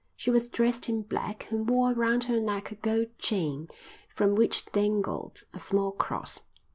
She was dressed in black and wore round her neck a gold chain, from which dangled a small cross.